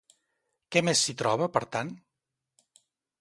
Què més s'hi troba, per tant?